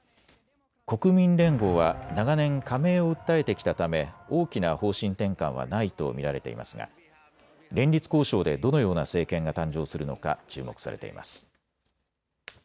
国民連合は長年、加盟を訴えてきたため大きな方針転換はないと見られていますが連立交渉でどのような政権が誕生するのか注目されています。